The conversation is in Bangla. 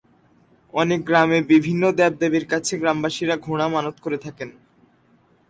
অনেক গ্রামে বিভিন্ন দেবদেবীর কাছে গ্রামবাসীরা ঘোড়া মানত করে থাকেন।